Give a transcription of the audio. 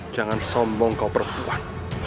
jangan sombong kau perpuan